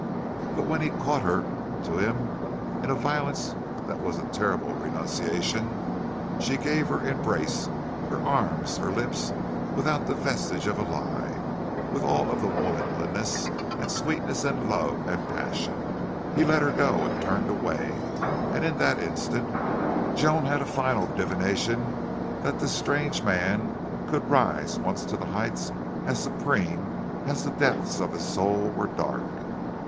But when he caught her to him, in a violence that was a terrible renunciation, she gave her embrace, her arms, her lips without the vestige of a lie, with all of womanliness and sweetness and love and passion. He let her go and turned away, and in that instant Joan had a final divination that this strange man could rise once to heights as supreme as the depths of his soul were dark.